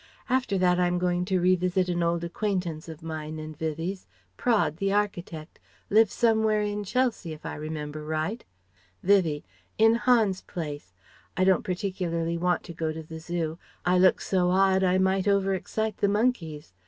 After that I'm going to revisit an old acquaintance of mine and Vivie's, Praed the architect lives somewhere in Chelsea if I remember right " Vivie: "In Hans Place. I don't particularly want to go to the Zoo. I look so odd I might over excite the monkeys.